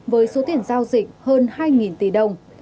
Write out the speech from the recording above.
với số tiền giao dịch hơn hai tỷ đồng